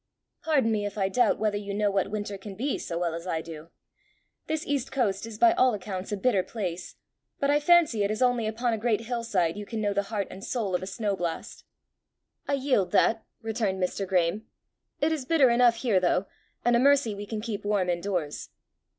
"Pardon me if I doubt whether you know what winter can be so well as I do. This east coast is by all accounts a bitter place, but I fancy it is only upon a great hill side you can know the heart and soul of a snow blast." "I yield that," returned Mr. Graeme. " It is bitter enough here though, and a mercy we can keep warm in doors."